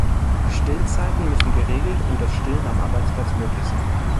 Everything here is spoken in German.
Stillzeiten müssen geregelt und das Stillen am Arbeitsplatz möglich sein.